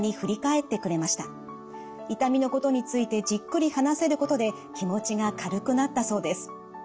痛みのことについてじっくり話せることで気持ちが軽くなったそうです。